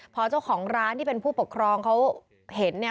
พอเจ้าของร้านที่เป็นผู้ปกครองเขาเห็นเนี่ย